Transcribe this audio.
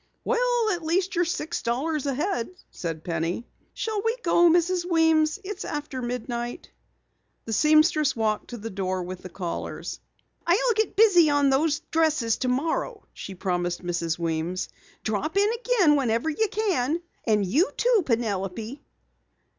"Well, at least you're six dollars ahead," said Penny. "Shall we go, Mrs. Weems? It's after midnight." The seamstress walked to the door with the callers. "I'll get busy tomorrow on those new dresses," she promised Mrs. Weems. "Drop in again whenever you can. And you, too, Penelope."